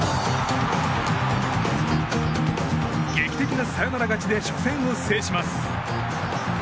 劇的なサヨナラ勝ちで初戦を制します。